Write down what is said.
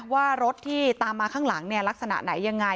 ว่ารถที่ตามมาข้างหลังลักษณะไหนยังไง